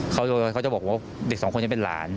เขาจะบอกว่าเด็ก๒คนจะเป็นหลาน